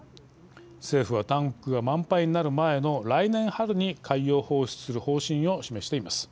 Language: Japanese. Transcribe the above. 政府はタンクが満杯になる前の来年春に海洋放出する方針を示しています。